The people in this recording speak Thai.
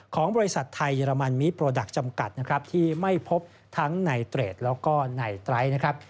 ของบริษัทไทยเยอรมันมีโปรดักต์จำกัดที่ไม่พบทั้งไนเตรดและไนไตรส์